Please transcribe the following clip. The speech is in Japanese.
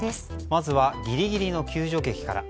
まずはギリギリの救助劇から。